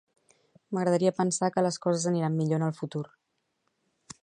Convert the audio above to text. M'agradaria pensar que les coses aniran millor en el futur.